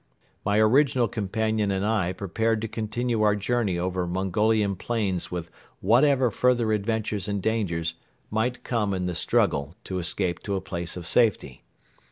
My original companion and I prepared to continue our journey over Mongolian plains with whatever further adventures and dangers might come in the struggle to escape to a place of safety.